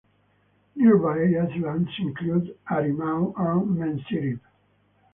Nearby islands include Harimau and Mensirip.